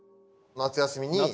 夏休みに。